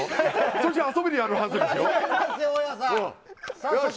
そっちは遊びでやるはずですよ。